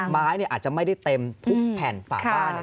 ไม้เนี่ยอาจจะไม่ได้เต็มทุกแผ่นฝาบ้านเนี่ย